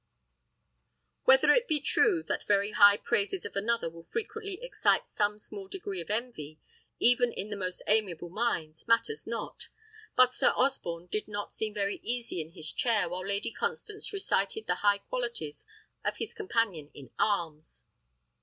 Whether it, be true that very high praises of another will frequently excite some small degree of envy, even in the most amiable minds, matters not; but Sir Osborne did not seem very easy in his chair while Lady Constance recited the high qualities of his companion in arms.